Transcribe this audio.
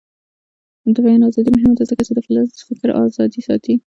د بیان ازادي مهمه ده ځکه چې د فکر ازادي ساتي.